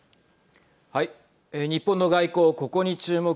日本の外交ここに注目。